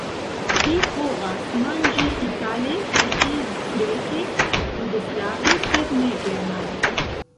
Vi povas manĝi itale, turke, greke, jugoslave, sed ne germane.